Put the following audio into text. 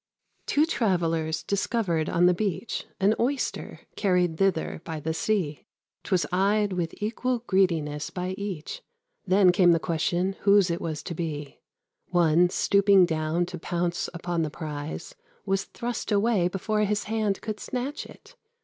Two travellers discovered on the beach An Oyster, carried thither by the sea. 'Twas eyed with equal greediness by each; Then came the question whose was it to be. One, stooping down to pounce upon the prize, Was thrust away before his hand could snatch it.